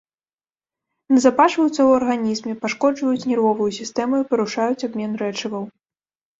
Назапашваюцца ў арганізме, пашкоджваюць нервовую сістэму і парушаюць абмен рэчываў.